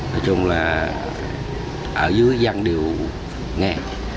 nói chung là ở dưới dân đều nghe